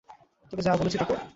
তোকে যা বলেছি তা কর।